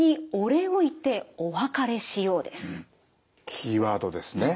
キーワードですね。